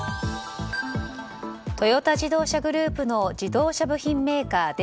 トヨタ自動車グループの自動車部品メーカー